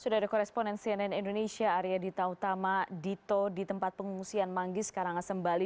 sudah ada koresponen cnn indonesia arya dita utama dito di tempat pengungsian manggis karangasem bali